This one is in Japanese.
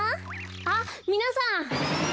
あっみなさん。